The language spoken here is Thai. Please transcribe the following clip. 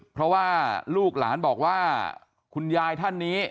เพราะว่าลูกหลานบอกว่าคุณยายท่านนี้